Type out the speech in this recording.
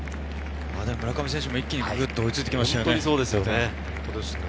村上選手も一気に追いついて来ましたよね。